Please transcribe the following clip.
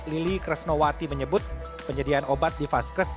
lili kresnowati menyebut penyediaan obat di vaskes